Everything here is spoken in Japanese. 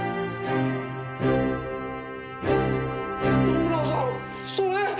糸村さんそれ！？